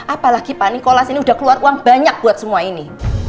apalagi pak nikolas ini udah keluar uang banyak buat semua ini